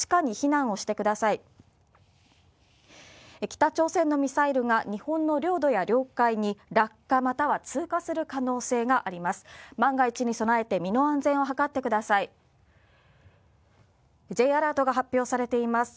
北朝鮮のミサイルが日本の領土や領海に落下または通過する可能性があります。